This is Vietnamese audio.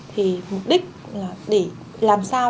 thì mục đích là để làm sao